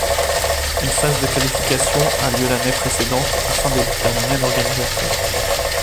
Une phase de qualification a lieu l'année précédente afin de déterminer l'organisateur.